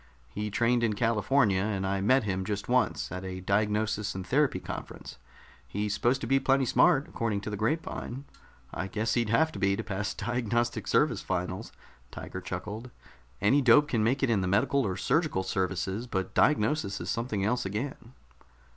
"He trained in California, and I met him just once, at a diagnosis and therapy conference. He's supposed to be plenty smart, according to the grapevine. I guess he'd have to be, to pass Diagnostic Service finals." Tiger chuckled. "Any dope can make it in the Medical or Surgical Services, but diagnosis is something else again."